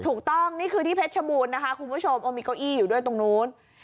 ถูกต้องนี่คือที่เพชรชบูรณ์นะคะคุณผู้ชมโอ้มีเก้าอี้อยู่ด้วยตรงนู้น